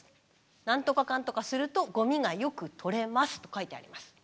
何とかかんとかするとゴミがよく取れます」と書いてあります。